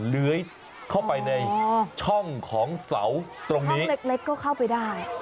เลื้อยเข้าไปในช่องของเสาตรงนี้เล็กก็เข้าไปได้